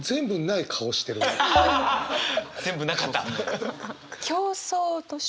全部なかった？